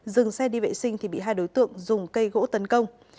dừng xe đi vệ sinh thì bị hai đối tượng dùng cây gỗ tấn công